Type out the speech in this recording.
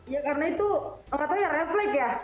ya karena itu gak tau ya refleks ya